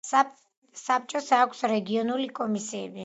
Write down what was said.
საბჭოს აქვს რეგიონული კომისიები.